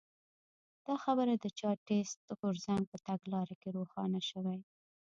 دا خبره د چارټېست غورځنګ په تګلاره کې روښانه شوې.